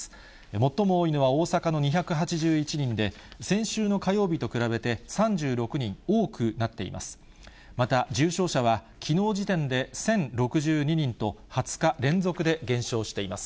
最も多いのは大阪の２８１人で、先週の火曜日と比べて３６人多くなっています。